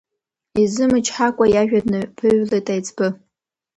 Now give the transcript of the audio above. Изымычҳакәа иажәа днаԥыҩлеит аиҵбы.